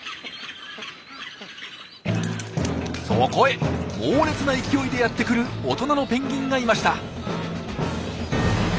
そこへ猛烈な勢いでやって来る大人のペンギンがいました。